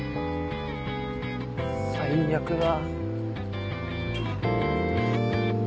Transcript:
最悪だ。